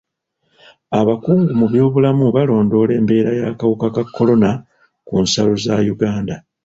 Abakungu mu byobulamu balondoola embeera y'akawuka ka kolona ku nsalo za Uganda.